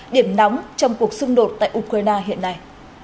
điểm nóng trong cuộc xung đột tại ukraine hiện nay